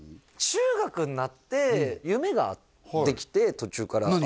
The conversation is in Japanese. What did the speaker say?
中学になって夢ができて途中から何？